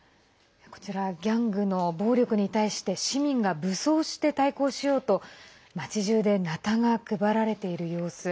ギャングの暴力に対して市民が武装して対抗しようと町じゅうでなたが配られている様子。